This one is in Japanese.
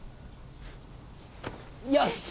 よし！